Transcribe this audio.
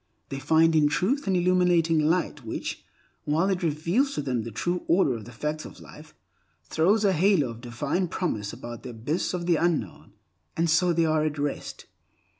They find in Truth an illuminating light which, while it reveals to them the true order of the facts of life, throws a halo of divine promise about the abyss of the unknown; and so they are at rest.